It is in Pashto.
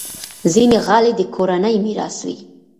ځینې غالۍ د کورنۍ میراث وي.